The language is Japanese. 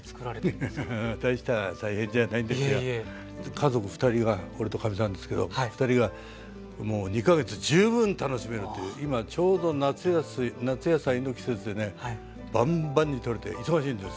家族二人が俺とかみさんですけど二人がもう２か月十分楽しめるという今ちょうど夏野菜の季節でねバンバンにとれて忙しいんです。